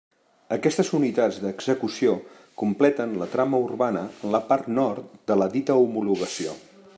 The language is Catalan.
Aquestes unitats d'execució completen la trama urbana en la part nord de la dita homologació.